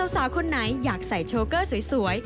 สาวคนไหนอยากใส่โชเกอร์สวย